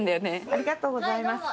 ありがとうございます。